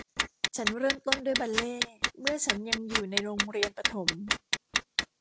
ฉันเริ่มต้นด้วยบัลเล่ต์เมื่อฉันยังอยู่ในโรงเรียนประถม